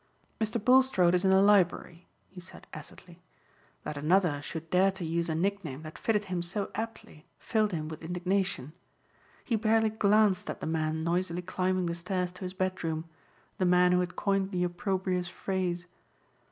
"Mr. Bulstrode is in the library," he said acidly. That another should dare to use a nickname that fitted him so aptly filled him with indignation. He barely glanced at the man noisily climbing the stairs to his bedroom, the man who had coined the opprobrious phrase.